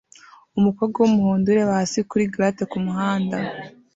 Umukobwa wumuhondo ureba hasi kuri grate kumuhanda